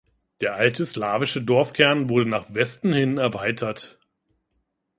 Der alte slawische Dorfkern wurde nach Westen hin erweitert.